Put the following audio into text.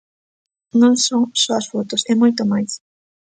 Non son só as fotos, é moito máis.